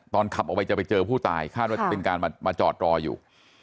ขับออกไปจะไปเจอผู้ตายคาดว่าจะเป็นการมาจอดรออยู่